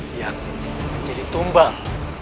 yang menjadi tumbang